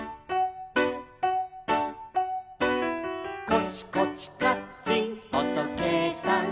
「コチコチカッチンおとけいさん」